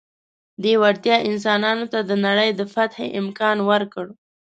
دې وړتیا انسانانو ته د نړۍ د فتحې امکان ورکړ.